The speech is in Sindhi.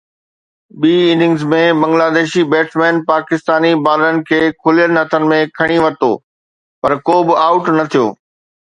ٻي اننگز ۾ بنگلاديشي بيٽسمينن پاڪستاني بالرن کي کليل هٿن ۾ کڻي ورتو، پر ڪو به آئوٽ نه ٿيو.